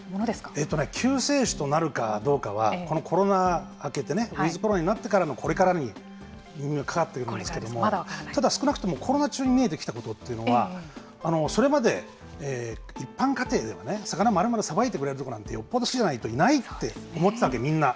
ええとね救世主となるかどうかはこのコロナ明けてウィズコロナになってからのこれからにかかっているんですけれどもただ少なくともコロナ中に見えてきたことというのはそれまで一般家庭では魚、丸々さばいてくれるところなんてよっぽどしないといないって思ってたわけみんな。